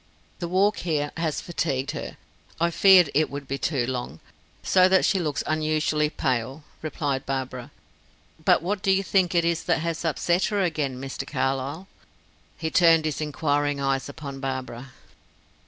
"The walk here has fatigued her; I feared it would be too long; so that she looks unusually pale," replied Barbara. "But what do you think it is that has upset her again, Mr. Carlyle?" He turned his inquiring eyes upon Barbara.